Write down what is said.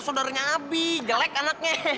saudaranya abi jelek anaknya